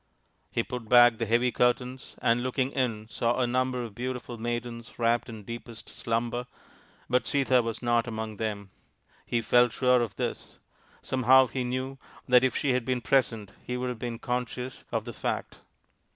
He put back the heavy curtains, and, looking c 34 THE INDIAN STORY BOOK in, saw a number of beautiful maidens wrapped in deepest slumber, but Sita was not among them. He felt sure of this. Somehow he knew that if she had been present he would have been conscious of the fact.